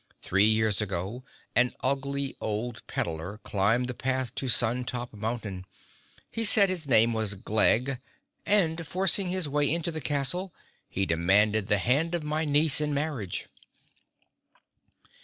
Three years ago an ugly old peddlar climbed the path to Sun Top Mountain. He said his name was Glegg and, forcing his way into the castle, he demanded the hand of my niece in marriage."